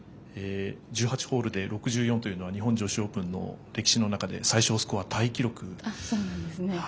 １８ホールで６４というのは日本女子オープンの歴史の中で最少スコアタイ記録です。